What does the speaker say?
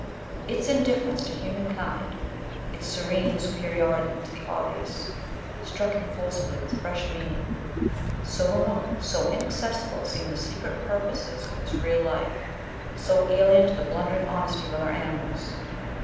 Its indifference to human kind, its serene superiority to the obvious, struck him forcibly with fresh meaning; so remote, so inaccessible seemed the secret purposes of its real life, so alien to the blundering honesty of other animals.